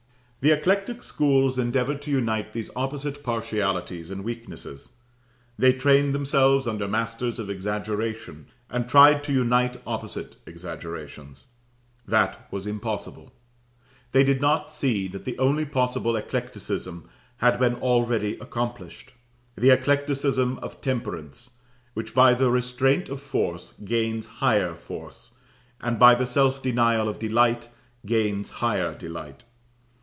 The eclectic schools endeavoured to unite these opposite partialities and weaknesses. They trained themselves under masters of exaggeration, and tried to unite opposite exaggerations. That was impossible. They did not see that the only possible eclecticism had been already accomplished; the eclecticism of temperance, which, by the restraint of force, gains higher force; and by the self denial of delight, gains higher delight.